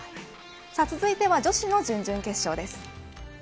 続いては女子の準々決勝です。